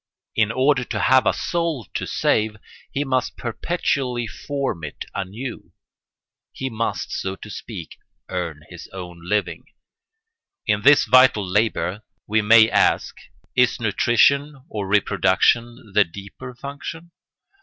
In order to have a soul to save he must perpetually form it anew; he must, so to speak, earn his own living. In this vital labour, we may ask, is nutrition or reproduction the deeper function?